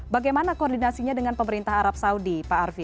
bagaimana koordinasinya dengan pemerintah arab saudi pak arfi